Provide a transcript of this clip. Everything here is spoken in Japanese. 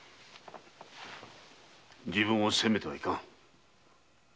自分を責めてはいかん。